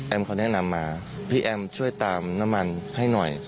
เขาแนะนำมาพี่แอมช่วยตามน้ำมันให้หน่อย